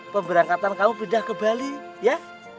pemberangkatan kamu pindah ke bali ya